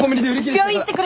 病院行ってくる！